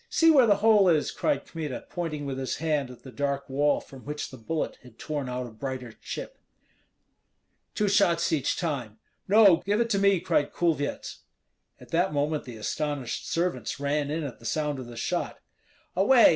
See where the hole is!" cried Kmita, pointing with his hand at the dark wall from which the bullet had torn out a brighter chip. "Two shots each time!" "No; give it to me," cried Kulvyets. At that moment the astonished servants ran in at the sound of the shot. "Away!